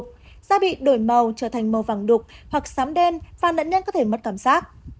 rác bị đổi màu trở thành màu vàng đục hoặc sám đen và nạn nhân có thể mất cảm giác